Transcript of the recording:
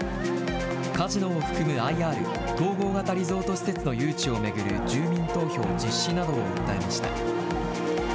カジノを含むＩＲ・統合型リゾート施設の誘致を巡る住民投票実施などを訴えました。